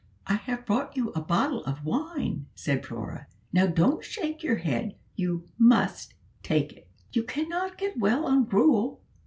"I have brought you a bottle of wine," said Flora; "now don't shake your head you must take it; you cannot get well on gruel.